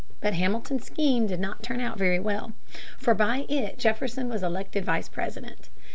But Hamilton's scheme did not turn out very well. For by it Jefferson was elected Vice President.